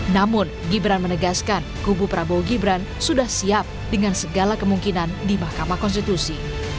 namun gibran menegaskan kubu prabowo gibran sudah siap dengan segala kemungkinan di mahkamah konstitusi